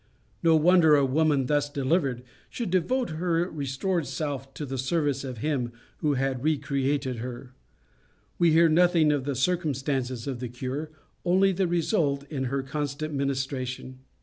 No wonder a woman thus delivered should devote her restored self to the service of him who had recreated her. We hear nothing of the circumstances of the cure, only the result in her constant ministration.